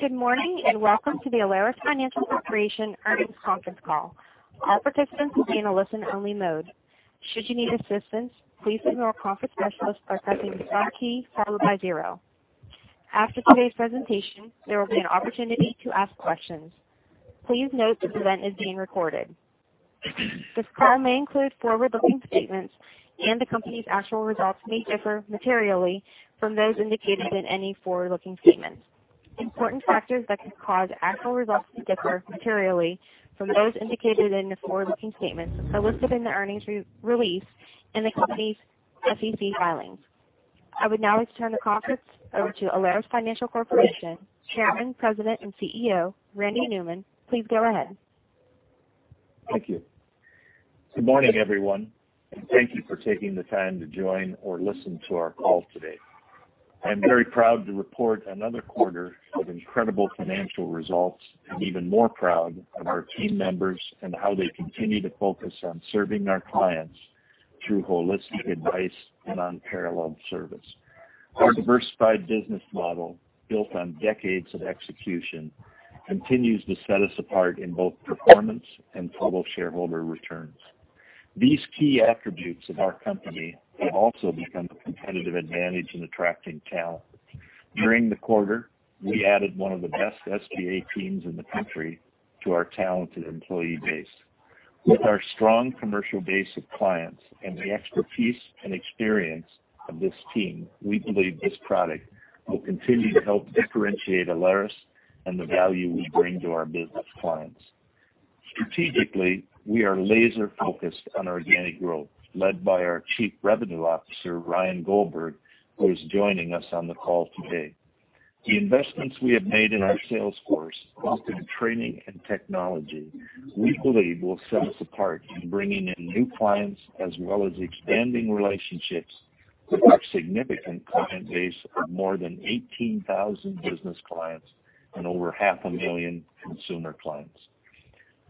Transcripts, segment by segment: Good morning. Welcome to the Alerus Financial Corporation earnings conference call. All participants will be in a listen-only mode. Should you need assistance, please signal a conference specialist by pressing the star key followed by zero. After today's presentation, there will be an opportunity to ask questions. Please note this event is being recorded. This call may include forward-looking statements, and the company's actual results may differ materially from those indicated in any forward-looking statements. Important factors that could cause actual results to differ materially from those indicated in the forward-looking statements are listed in the earnings release in the company's SEC filings. I would now like to turn the conference over to Alerus Financial Corporation Chairman, President, and CEO, Randy Newman. Please go ahead. Thank you. Good morning, everyone, and thank you for taking the time to join or listen to our call today. I'm very proud to report another quarter of incredible financial results and even more proud of our team members and how they continue to focus on serving our clients through holistic advice and unparalleled service. Our diversified business model, built on decades of execution, continues to set us apart in both performance and total shareholder returns. These key attributes of our company have also become a competitive advantage in attracting talent. During the quarter, we added one of the best SBA teams in the country to our talented employee base. With our strong commercial base of clients and the expertise and experience of this team, we believe this product will continue to help differentiate Alerus and the value we bring to our business clients. Strategically, we are laser-focused on organic growth, led by our Chief Revenue Officer, Ryan Goldberg, who is joining us on the call today. The investments we have made in our sales force, both in training and technology, we believe will set us apart in bringing in new clients, as well as expanding relationships with our significant client base of more than 18,000 business clients and over half a million consumer clients.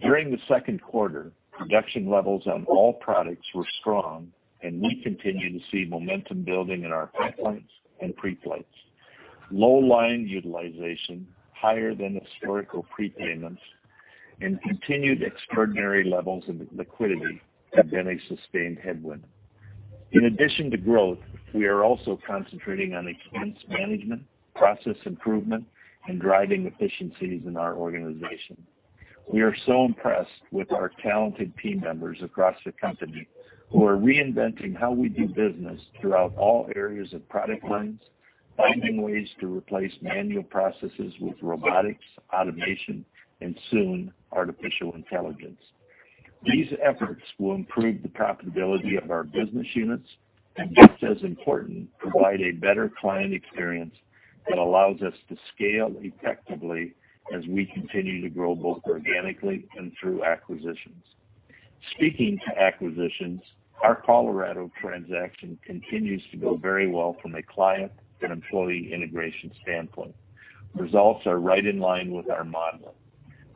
During the second quarter, production levels on all products were strong, and we continue to see momentum building in our pipelines and pre-flights. Low line utilization, higher than historical prepayments, and continued extraordinary levels of liquidity have been a sustained headwind. In addition to growth, we are also concentrating on expense management, process improvement, and driving efficiencies in our organization. We are so impressed with our talented team members across the company who are reinventing how we do business throughout all areas of product lines, finding ways to replace manual processes with robotics, automation, and soon, artificial intelligence. These efforts will improve the profitability of our business units and, just as important, provide a better client experience that allows us to scale effectively as we continue to grow both organically and through acquisitions. Speaking to acquisitions, our Colorado transaction continues to go very well from a client and employee integration standpoint. Results are right in line with our model.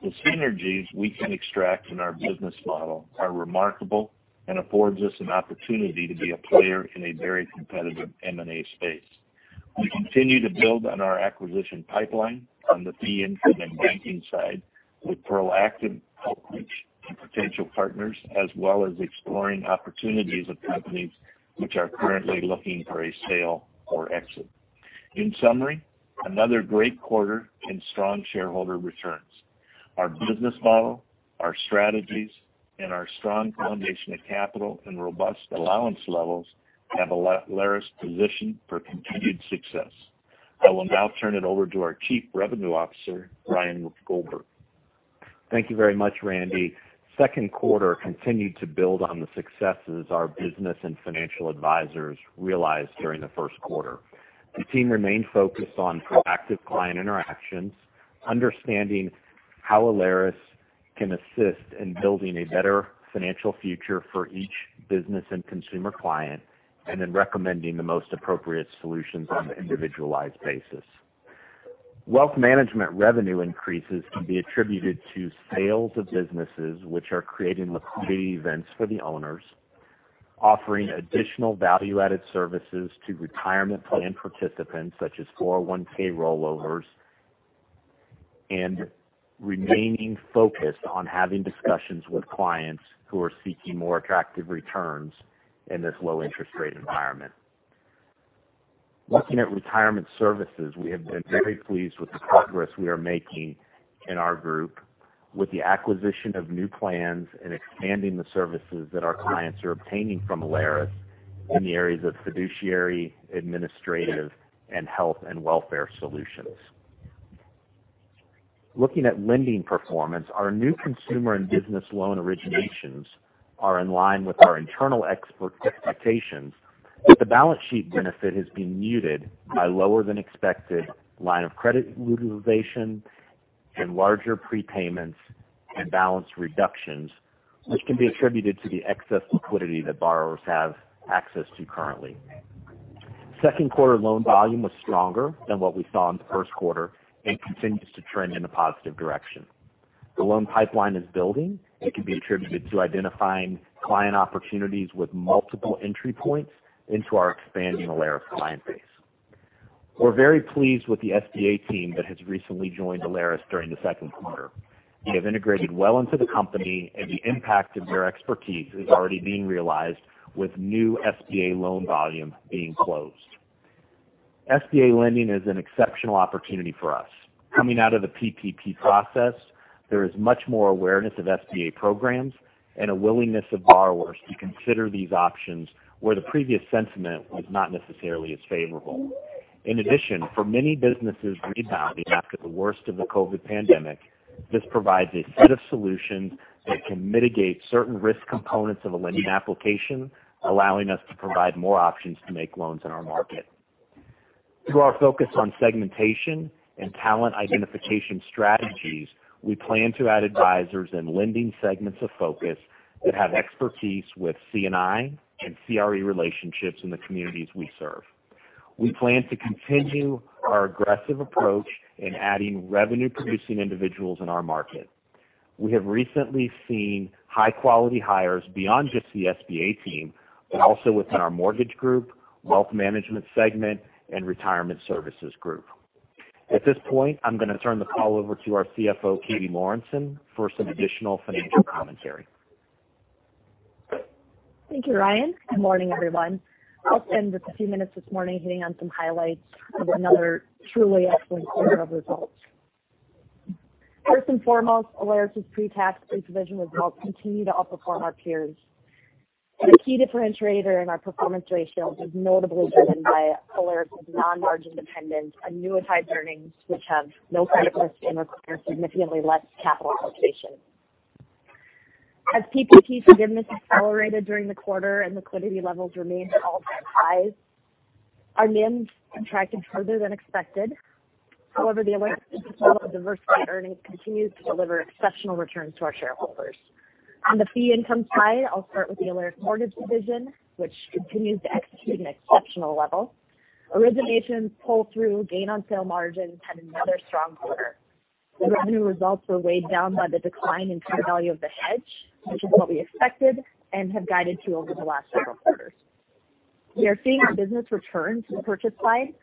The synergies we can extract from our business model are remarkable and affords us an opportunity to be a player in a very competitive M&A space. We continue to build on our acquisition pipeline on the fee income and banking side with proactive outreach to potential partners, as well as exploring opportunities with companies which are currently looking for a sale or exit. In summary, another great quarter in strong shareholder returns. Our business model, our strategies, and our strong foundation of capital and robust allowance levels have Alerus positioned for continued success. I will now turn it over to our Chief Revenue Officer, Ryan Goldberg. Thank you very much, Randy. Second quarter continued to build on the successes our business and financial advisors realized during the first quarter. The team remained focused on proactive client interactions, understanding how Alerus can assist in building a better financial future for each business and consumer client, and then recommending the most appropriate solutions on an individualized basis. Wealth management revenue increases can be attributed to sales of businesses which are creating liquidity events for the owners, offering additional value-added services to retirement plan participants, such as 401 rollovers, and remaining focused on having discussions with clients who are seeking more attractive returns in this low-interest rate environment. Looking at retirement services, we have been very pleased with the progress we are making in our group with the acquisition of new plans and expanding the services that our clients are obtaining from Alerus in the areas of fiduciary, administrative, and health and welfare solutions. Looking at lending performance, our new consumer and business loan originations are in line with our internal expert expectations, but the balance sheet benefit has been muted by lower than expected line of credit utilization and larger prepayments and balance reductions, which can be attributed to the excess liquidity that borrowers have access to currently. Second quarter loan volume was stronger than what we saw in the first quarter and continues to trend in a positive direction. The loan pipeline is building and can be attributed to identifying client opportunities with multiple entry points into our expanding Alerus client base. We're very pleased with the SBA team that has recently joined Alerus during the second quarter. They have integrated well into the company and the impact of their expertise is already being realized with new SBA loan volume being closed. SBA lending is an exceptional opportunity for us. Coming out of the PPP process, there is much more awareness of SBA programs and a willingness of borrowers to consider these options where the previous sentiment was not necessarily as favorable. In addition, for many businesses rebounding after the worst of the COVID pandemic, this provides a set of solutions that can mitigate certain risk components of a lending application, allowing us to provide more options to make loans in our market. Through our focus on segmentation and talent identification strategies, we plan to add advisors and lending segments of focus that have expertise with C&I and CRE relationships in the communities we serve. We plan to continue our aggressive approach in adding revenue-producing individuals in our market. We have recently seen high-quality hires beyond just the SBA team, but also within our mortgage group, wealth management segment, and retirement services group. At this point, I'm going to turn the call over to our CFO, Katie Lorenson, for some additional financial commentary. Thank you, Ryan. Good morning, everyone. I'll spend just a few minutes this morning hitting on some highlights of another truly excellent quarter of results. First and foremost, Alerus's pre-tax pre-provision results continue to outperform our peers. The key differentiator in our performance ratios is notably driven by Alerus's non-margin dependent annuitized earnings, which have no credit risk and require significantly less capital association. As PPP forgiveness accelerated during the quarter and liquidity levels remained all-time highs, our NIMs contracted further than expected. The Alerus total diversified earnings continues to deliver exceptional returns to our shareholders. On the fee income side, I'll start with the Alerus Mortgage division, which continues to execute an exceptional level. Originations pull-through gain on sale margins had another strong quarter. The revenue results were weighed down by the decline in fair value of the hedge, which is what we expected and have guided to over the last several quarters. We are seeing our business return to the purchase side.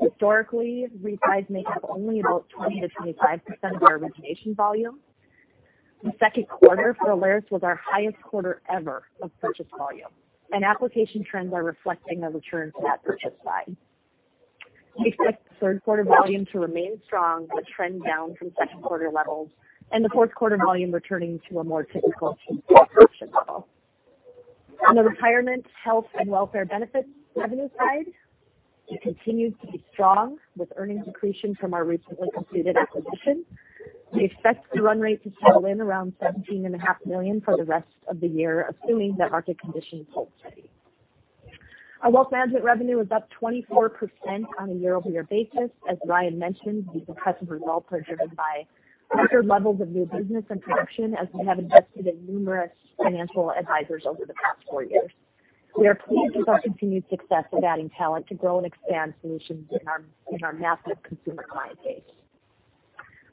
Historically, refis make up only about 20%-25% of our origination volume. The second quarter for Alerus was our highest quarter ever of purchase volume, and application trends are reflecting a return to that purchase side. We expect third quarter volume to remain strong, but trend down from second quarter levels, and the fourth quarter volume returning to a more typical purchase level. On the retirement, health, and welfare benefits revenue side, it continued to be strong with earnings accretion from our recently completed acquisition. We expect the run rate to settle in around $17.5 million for the rest of the year, assuming that market conditions hold steady. Our wealth management revenue was up 24% on a year-over-year basis. As Ryan mentioned, these impressive results are driven by record levels of new business and production as we have invested in numerous financial advisors over the past four years. We are pleased with our continued success of adding talent to grow and expand solutions in our massive consumer client base.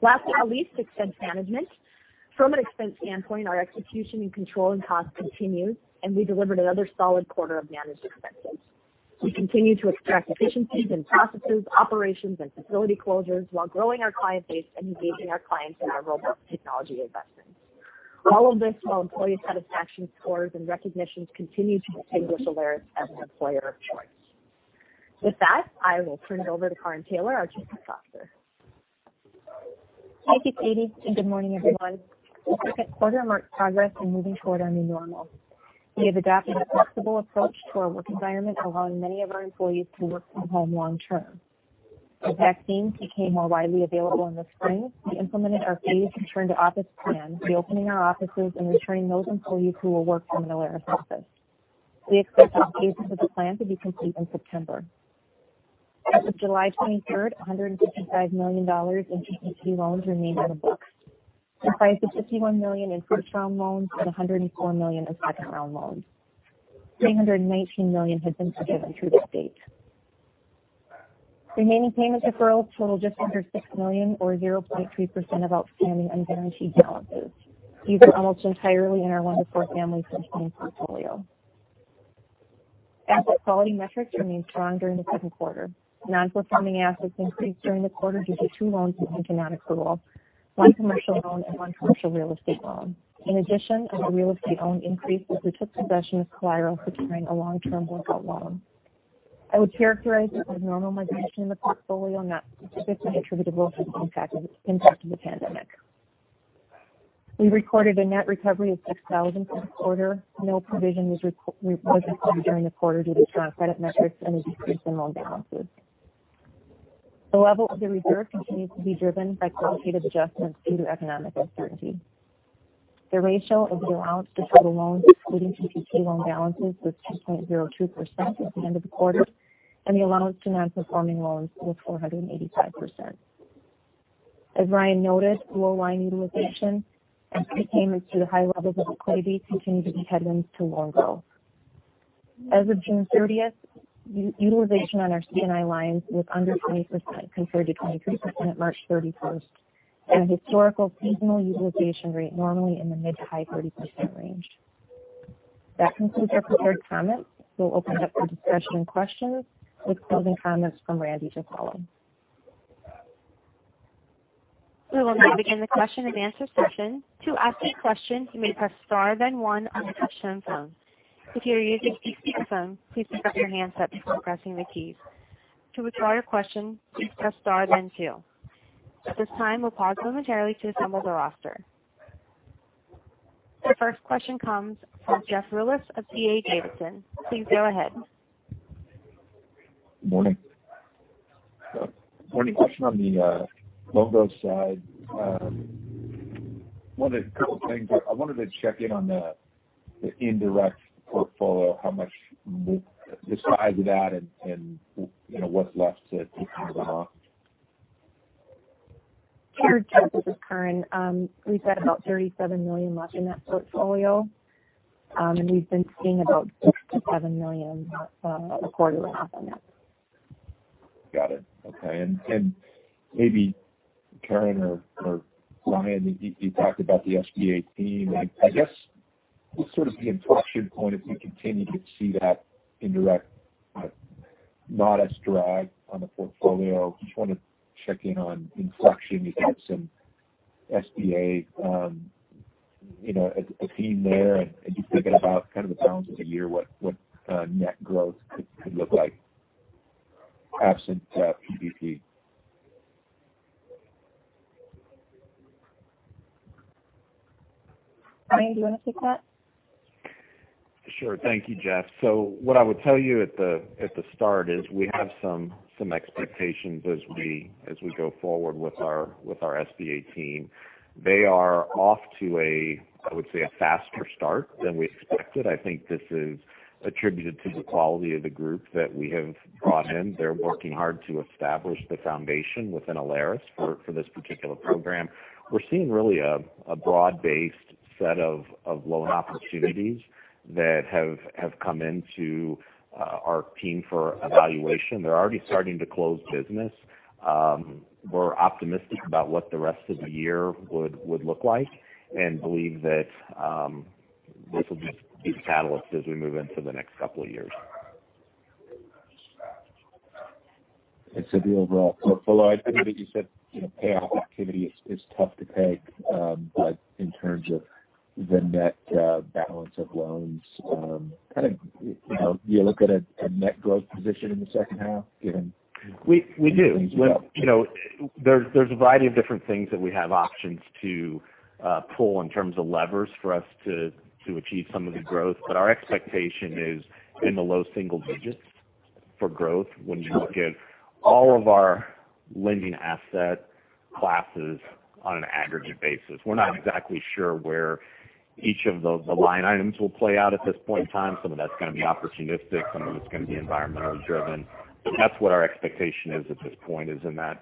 Last but not least, expense management. From an expense standpoint, our execution in controlling costs continues, and we delivered another solid quarter of managed expenses. We continue to extract efficiencies in processes, operations, and facility closures while growing our client base and engaging our clients in our robust technology investments. All of this while employee satisfaction scores and recognitions continue to distinguish Alerus as an employer of choice. With that, I will turn it over to Karin Taylor, our Chief Risk Officer. Thank you, Katie, and good morning, everyone. The second quarter marked progress in moving toward a new normal. We have adopted a flexible approach to our work environment, allowing many of our employees to work from home long term. As vaccines became more widely available in the spring, we implemented our phased return to office plan, reopening our offices and returning those employees who will work from an Alerus office. We expect all phases of the plan to be complete in September. As of July 23rd, $155 million in PPP loans remain on the books. Comprised of $51 million in first-round loans and $104 million in second-round loans. $319 million has been forgiven through to date. Remaining payment deferrals total just under $6 million or 0.3% of outstanding unguaranteed balances. These are almost entirely in our one to four family residential portfolio. Asset quality metrics remained strong during the second quarter. Non-performing assets increased during the quarter due to two loans taken non-accrual, one commercial loan and one commercial real estate loan. In addition, our real estate owned increased as we took possession of collateral securing a long-term workout loan. I would characterize it as normal migration in the portfolio, not specifically attributable to the impact of the pandemic. We recorded a net recovery of $6,000 for the quarter. No provision was recorded during the quarter due to strong credit metrics and a decrease in loan balances. The level of the reserve continues to be driven by qualitative adjustments due to economic uncertainty. The ratio of the allowance to total loans, including PPP loan balances, was 2.02% at the end of the quarter, and the allowance to non-performing loans was 485%. As Ryan noted, low line utilization and pre-payments due to high levels of liquidity continue to be headwinds to loan growth. As of June 30th, utilization on our C&I lines was under 20%, compared to 23% at March 31st, and a historical seasonal utilization rate normally in the mid-to-high 30% range. That concludes our prepared comments. We'll open it up for discussion and questions, with closing comments from Randy to follow. We will now begin the question-and-answer session. To ask a question, you may press star one on your touch-tone phone. If you are using a speakerphone, please pick up your handset before pressing the keys. To withdraw your question, please press star two. At this time, we'll pause momentarily to assemble the roster. The first question comes from Jeff Rulis of D.A. Davidson. Please go ahead. Morning. Morning. Question on the loan growth side. One of the couple things I wanted to check in on the indirect portfolio, the size of that and what's left to pay some of them off. Sure, Jeff. This is Karin. We've got about $37 million left in that portfolio. We've been seeing about $6 million to $7 million a quarter went off on that. Got it. Okay. Maybe Karin or Ryan, you talked about the SBA team. I guess what's sort of the inflection point if we continue to see that indirect modest drag on the portfolio? Just want to check in on inflection. You got some SBA, a team there, and just thinking about kind of the balance of the year, what net growth could look like absent PPP. Ryan, do you want to take that? Sure. Thank you, Jeff. What I would tell you at the start is we have some expectations as we go forward with our SBA team. They are off to a, I would say, a faster start than we expected. I think this is attributed to the quality of the group that we have brought in. They're working hard to establish the foundation within Alerus for this particular program. We're seeing really a broad-based set of loan opportunities that have come into our team for evaluation. They're already starting to close business. We're optimistic about what the rest of the year would look like and believe that this will be a catalyst as we move into the next couple of years. The overall portfolio, I know that you said payoff activity is tough to peg, but in terms of the net balance of loans, do you look at a net growth position in the second half given? We do. things to help? There's a variety of different things that we have options to pull in terms of levers for us to achieve some of the growth. Our expectation is in the low single digits for growth when you look at all of our lending asset classes on an aggregate basis. We're not exactly sure where each of those line items will play out at this point in time. Some of that's going to be opportunistic, some of it's going to be environmentally driven, but that's what our expectation is at this point, is in that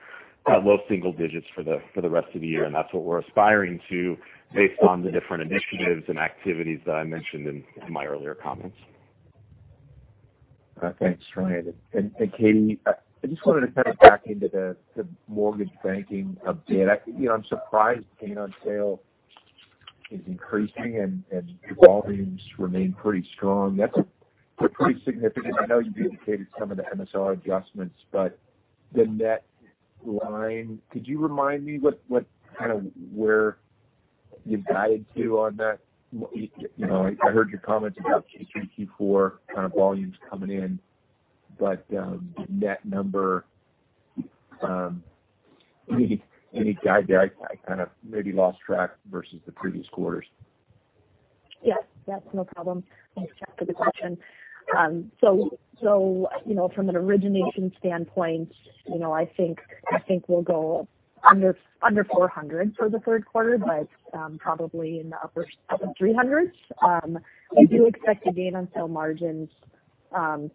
low single digits for the rest of the year. That's what we're aspiring to based on the different initiatives and activities that I mentioned in my earlier comments. Thanks, Ryan. Katie, I just wanted to kind of back into the mortgage banking a bit. I'm surprised gain on sale is increasing and volumes remain pretty strong. That's pretty significant. I know you've indicated some of the MSR adjustments, the net line, could you remind me where you've guided to on that? I heard your comments about Q3, Q4 kind of volumes coming in, net number, any guide there? I kind of maybe lost track versus the previous quarters. Yes. That's no problem. Let me check for the question. From an origination standpoint, I think we'll go under $400 for the third quarter, but probably in the upper $300s. I do expect the gain on sale margins to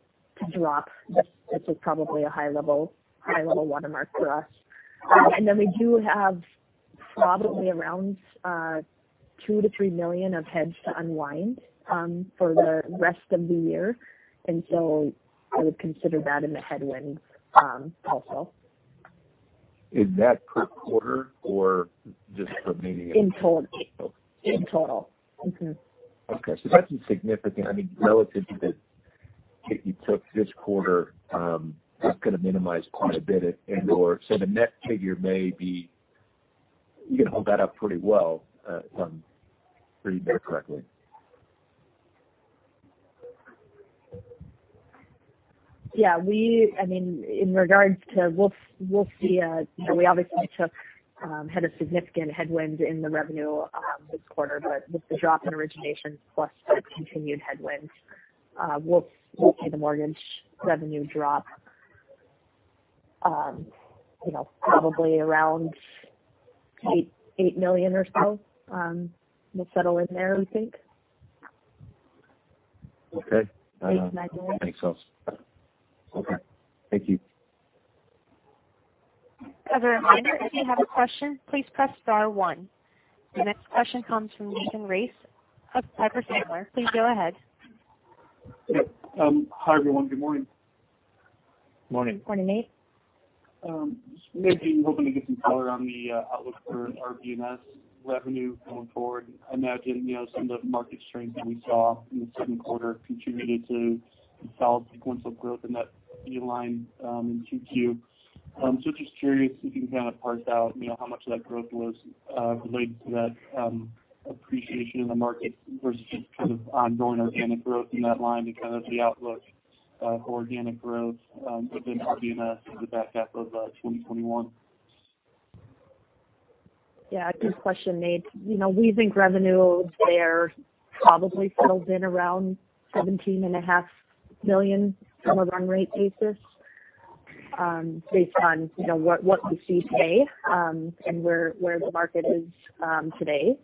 drop. This is probably a high-level watermark for us. We do have probably around $2 million-$3 million of heads to unwind for the rest of the year. I would consider that in the headwinds also. Is that per quarter or just for? In total. Okay. That's insignificant. I mean, relative to if you took this quarter, that's going to minimize quite a bit in total. The net figure may be you can hold that up pretty well if I'm reading that correctly. Yeah. In regards to we'll see. We obviously had a significant headwind in the revenue this quarter, but with the drop in originations plus the continued headwinds, we'll see the mortgage revenue drop probably around $8 million or so. We'll settle in there, we think. Okay. $8 million, $9 million. Makes sense. Okay. Thank you. As a reminder, if you have a question, please press star one. The next question comes from Nathan Race of Piper Sandler. Please go ahead. Yep. Hi, everyone. Good morning. Morning. Morning, Nate. Nate here. I'm hoping to get some color on the outlook for RHWB revenue going forward. I imagine some of the market strength that we saw in the second quarter contributed to the solid sequential growth in that fee line in 2Q. Just curious if you can kind of parse out how much of that growth was related to that appreciation in the market versus just kind of ongoing organic growth in that line and kind of the outlook for organic growth within RHWB through the back half of 2021. Yeah. Good question, Nate. We think revenue there probably settles in around $17.5 million on a run rate basis, based on what we see today, and where the market is today.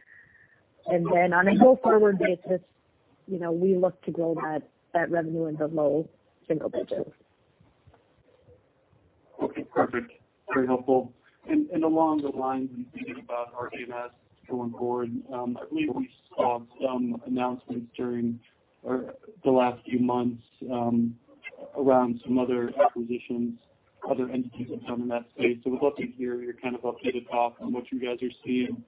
On a go-forward basis, we look to grow that revenue in the low single digits. Okay, perfect. Very helpful. Along the lines of thinking about RHWB going forward, I believe we saw some announcements during the last few months around some other acquisitions, other entities that come in that space. We'd love to hear your kind of up-to-date thoughts on what you guys are seeing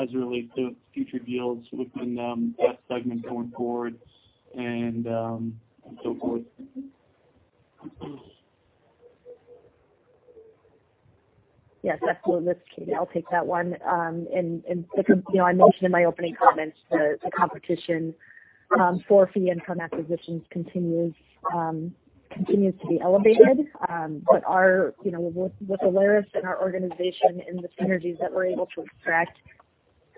as it relates to future deals within that segment going forward and so forth. Yes, absolutely. I'll take that one. I mentioned in my opening comments the competition for fee income acquisitions continues to be elevated. With Alerus and our organization and the synergies that we're able to extract,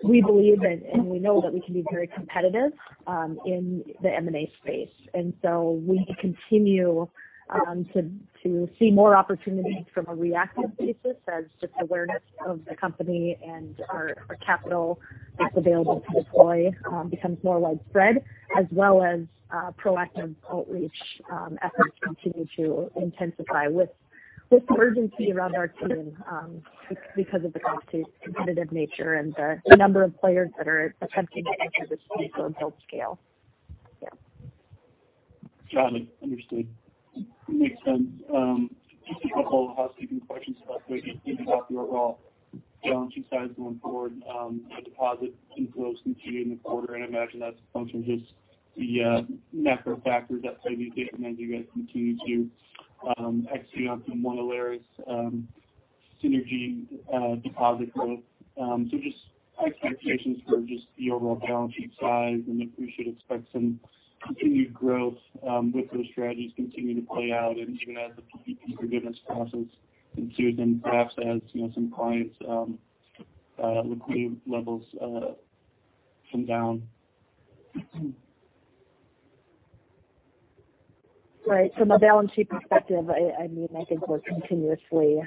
we believe and we know that we can be very competitive in the M&A space. We continue to see more opportunities from a reactive basis as just awareness of the company and our capital that's available to deploy becomes more widespread, as well as proactive outreach efforts continue to intensify with the urgency around our team because of the competitive nature and the number of players that are attempting to enter this space on build scale. Yeah. Got it. Understood. Makes sense. Just a couple of housekeeping questions about the overall balance sheet size going forward, the deposit inflows we've seen in the quarter, I imagine that's a function of just the macro factors at play this year. Then you guys continue to execute on some more Alerus synergy deposit growth. Just expectations for just the overall balance sheet size, and if we should expect some continued growth with those strategies continuing to play out and even as the PPP forgiveness process ensues and perhaps as some clients' liquidity levels come down. Right. From a balance sheet perspective, I think we're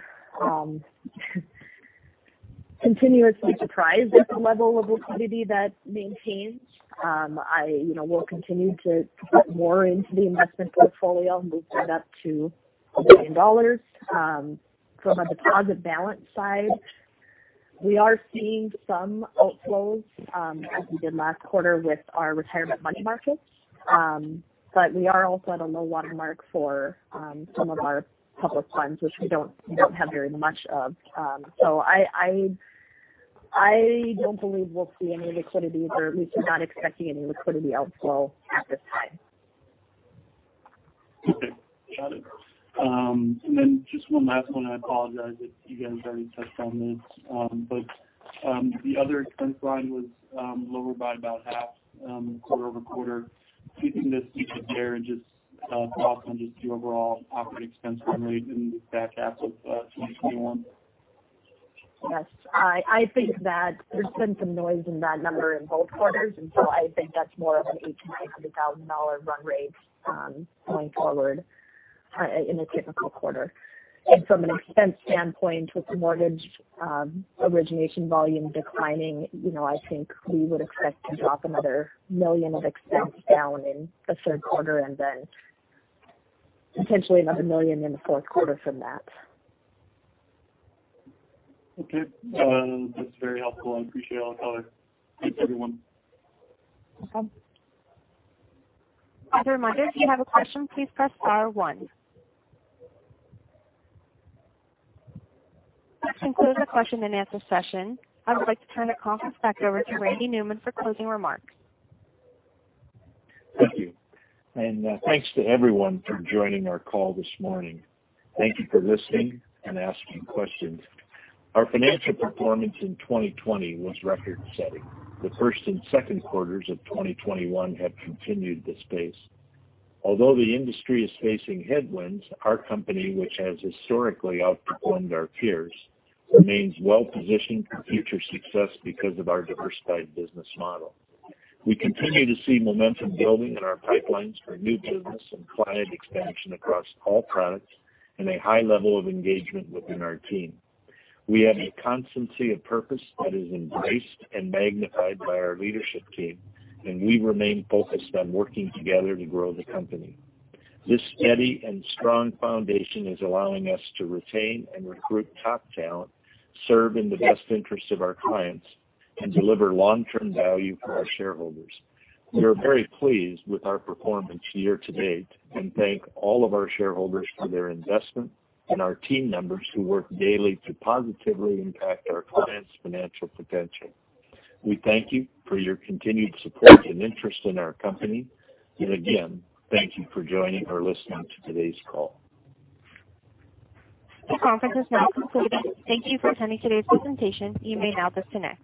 continuously surprised at the level of liquidity that maintains. We'll continue to put more into the investment portfolio, move that up to $1 billion. From a deposit balance side, we are seeing some outflows as we did last quarter with our retirement money markets. We are also at a low watermark for some of our public funds, which we don't have very much of. I don't believe we'll see any liquidity, or at least I'm not expecting any liquidity outflow at this time. Okay. Got it. Just one last one. I apologize if you guys already touched on this. The other expense line was lower by about half quarter-over-quarter. Do you think this is there and just thoughts on just the overall operating expense formula in the back half of 2021? Yes. I think that there's been some noise in that number in both quarters. I think that's more of an $18,000-$19,000 run rate going forward in a typical quarter. From an expense standpoint, with the mortgage origination volume declining, I think we would expect to drop another $1 million of expense down in the third quarter and then potentially another $1 million in the fourth quarter from that. Okay. That's very helpful. I appreciate all the color. Thanks, everyone. No problem. As a reminder, if you have a question, please press star one. That concludes the question and answer session. I would like to turn the conference back over to Randy Newman for closing remarks. Thank you. Thanks to everyone for joining our call this morning. Thank you for listening and asking questions. Our financial performance in 2020 was record-setting. The first and second quarters of 2021 have continued this pace. Although the industry is facing headwinds, our company, which has historically outperformed our peers, remains well-positioned for future success because of our diversified business model. We continue to see momentum building in our pipelines for new business and client expansion across all products and a high level of engagement within our team. We have a constancy of purpose that is embraced and magnified by our leadership team, and we remain focused on working together to grow the company. This steady and strong foundation is allowing us to retain and recruit top talent, serve in the best interest of our clients, and deliver long-term value for our shareholders. We are very pleased with our performance year to date and thank all of our shareholders for their investment and our team members who work daily to positively impact our clients' financial potential. We thank you for your continued support and interest in our company. Again, thank you for joining or listening to today's call. The conference is now concluded. Thank you for attending today's presentation. You may now disconnect.